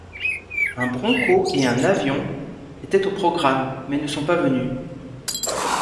Un Bronco et un Navion étaient au programme mais ne sont pas venus...